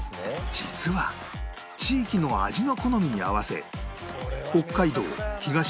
実は地域の味の好みに合わせ北海道東日本